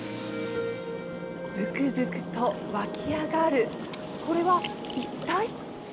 ぶくぶくと湧き上がるこれは一体？